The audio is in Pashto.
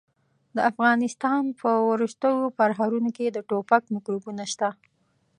د افغانستان په ورستو پرهرونو کې د ټوپک میکروبونه شته.